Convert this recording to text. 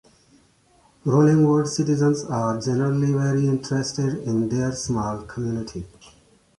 Rollingwood citizens are generally very interested in their small community.